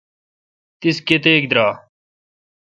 تیس کتیک درائ،؟